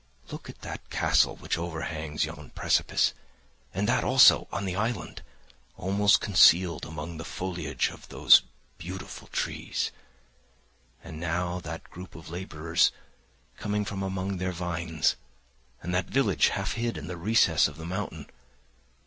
Look at that castle which overhangs yon precipice; and that also on the island, almost concealed amongst the foliage of those lovely trees; and now that group of labourers coming from among their vines; and that village half hid in the recess of the mountain.